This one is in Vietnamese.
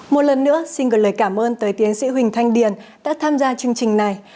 một lần nữa xin gửi lời cảm ơn tới tiến sĩ huỳnh thanh điền đã tham gia chương trình này